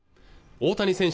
大谷選手